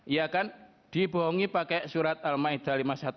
iya kan dibohongi pakai surat al ma'idah lima puluh satu